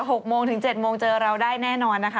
ก็๖โมงถึง๗โมงเจอเราได้แน่นอนนะคะ